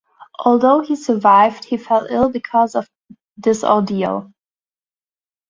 Although he survived, he fell ill because of this ordeal.